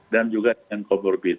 dan juga yang comorbid